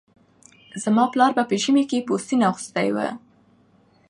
زما پلاره به ژمي کې پوستين اغوستی و